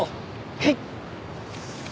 はい。